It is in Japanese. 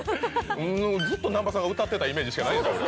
ずっと南波さんが歌ってたイメージしかないけど。